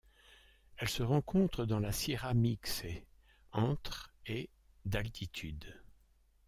Elle se rencontre dans la Sierra Mixe, entre et d'altitude.